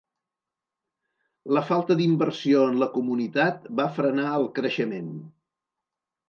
La falta d'inversió en la comunitat va frenar el creixement.